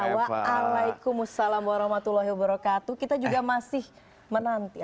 waalaikumsalam warahmatullahi wabarakatuh kita juga masih menanti